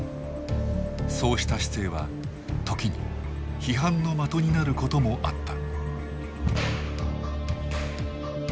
そうした姿勢は時に批判の的になることもあった。